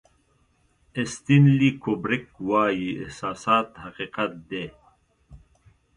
استنلي کوبریک وایي احساسات حقیقت دی.